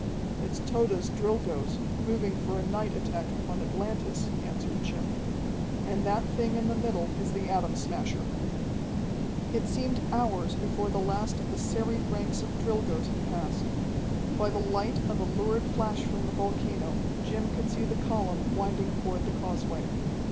"It's Tode's Drilgoes, moving for a night attack upon Atlantis," answered Jim. "And that thing in the middle is the Atom Smasher." It seemed hours before the last of the serried ranks of Drilgoes had passed. By the light of a lurid flash from the volcano Jim could see the column winding toward the causeway.